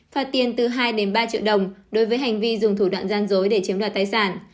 phạt tiền từ hai đến ba triệu đồng đối với hành vi dùng thủ đoạn gian dối để chiếm đoạt tài sản